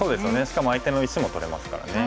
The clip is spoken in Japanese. しかも相手の石も取れますからね。